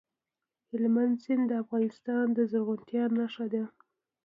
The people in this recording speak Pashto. هلمند سیند د افغانستان د زرغونتیا نښه ده.